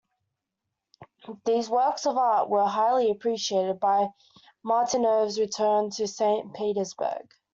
These works for art were highly appreciated, by Martynov's return to Saint Petersburg.